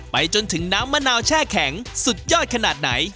ไปจนถึงน้ำมะนาวแช่แข็งสุดยอดขนาดไหน